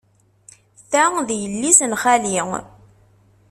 Ta d yelli-s n xali.